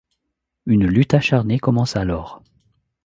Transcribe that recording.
Une lutte acharnée commence alors.